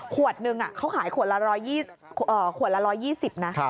ขวดหนึ่งเขาขายขวดละ๑๒๐นะ